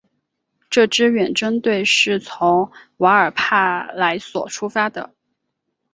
这支远征队是从瓦尔帕莱索出发的。